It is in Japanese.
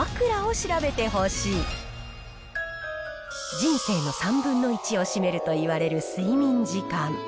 人生の３分の１を占めるといわれる睡眠時間。